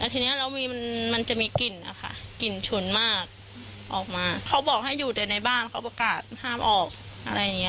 ที่นี่ค่ะเช้าบ้านในชุมชนบ้านนาก่าวที่ได้รับผงดรษทธพ